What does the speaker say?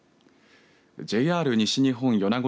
ＪＲ西日本米子